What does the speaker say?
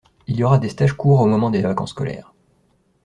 Il y aura des stages courts au moment des vacances scolaires.